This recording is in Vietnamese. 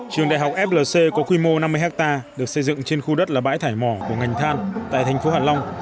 trường đại học flc có quy mô năm mươi hectare được xây dựng trên khu đất là bãi thải mỏ của ngành than tại thành phố hạ long